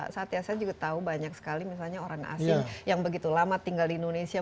satya saya juga tahu banyak sekali misalnya orang asing yang begitu lama tinggal di indonesia